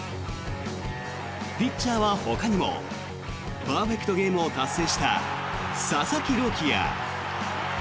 ピッチャーはほかにもパーフェクトゲームを達成した佐々木朗希や。